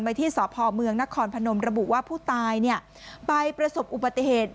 ไปที่สอบภอมเมืองนครพนมระบุว่าผู้ตายไปประสบอุปติเหตุ